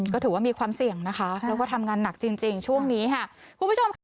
ก็ถือว่ามีความเสี่ยงนะคะแล้วก็ทำงานหนักจริงช่วงนี้ค่ะ